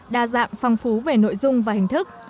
đa dạng phong phú về nội dung và hình thức